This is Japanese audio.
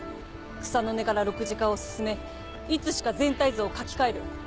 草の根から６次化を進めいつしか全体像を書き換える。